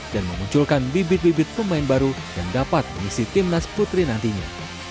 dan memunculkan bibit bibit pemain baru yang dapat mengisi tim nas putri nantinya